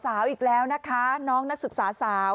อีกแล้วนะคะน้องนักศึกษาสาว